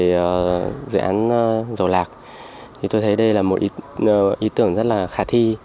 về dự án dầu lạc thì tôi thấy đây là một ý tưởng rất là khả thi